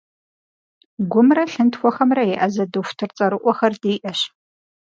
Гумрэ лъынтхуэхэмрэ еӏэзэ дохутыр цӏэрыӏуэхэр диӏэщ.